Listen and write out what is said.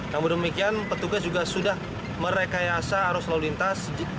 namun demikian petugas juga sudah merekayasa arus lalu lintas